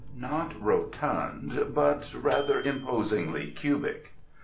Not rotund, but rather imposingly cubic.